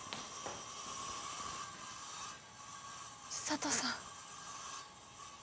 佐都さん。